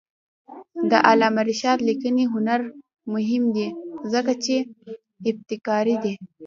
د علامه رشاد لیکنی هنر مهم دی ځکه چې ابتکاري دی.